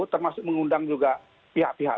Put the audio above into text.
termasuk mengundang juga pihak pihak